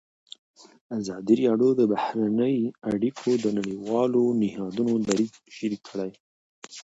ازادي راډیو د بهرنۍ اړیکې د نړیوالو نهادونو دریځ شریک کړی.